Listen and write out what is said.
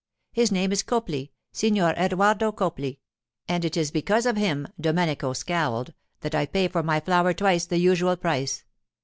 'His name is Copli—Signor Edoardo Copli—and it is because of him'—Domenico scowled—'that I pay for my flour twice the usual price.